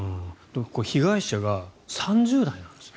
被害者が３０代なんですよね。